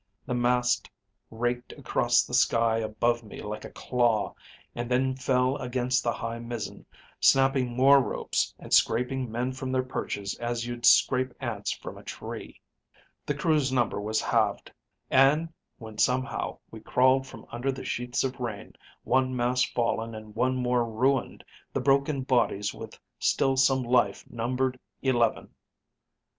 The mast raked across the sky above me like a claw, and then fell against the high mizzen, snapping more ropes and scraping men from their perches as you'd scrape ants from a tree. "The crew's number was halved, and when somehow we crawled from under the sheets of rain, one mast fallen and one more ruined, the broken bodies with still some life numbered eleven.